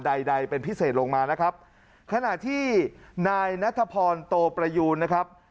ใดใดเป็นพิเศษลงมานะครับขณะที่นายนัทพรโตประยูนนะครับ